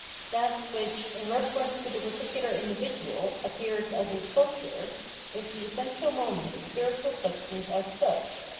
That which, in reference to the particular individual, appears as his culture, is the essential moment of spiritual substance as such, viz.